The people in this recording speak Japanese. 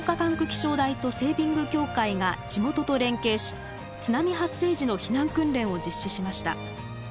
気象台とセービング協会が地元と連携し津波発生時の避難訓練を実施しました。